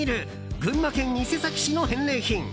群馬県伊勢崎市の返礼品。